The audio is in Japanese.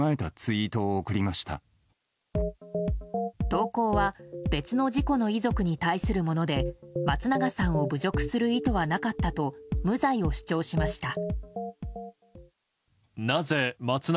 投稿は別の事故の遺族に対するもので松永さんを侮辱する意図はなかったと無罪を主張しました。